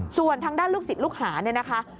ส่วนทางด้านลูกศิษย์ลูกหาเนี่ยนะคะ